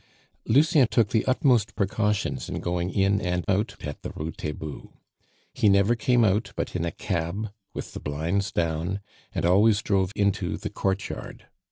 Lucien took the utmost precautions in going in and out at the Rue Taitbout. He never came but in a cab, with the blinds down, and always drove into the courtyard.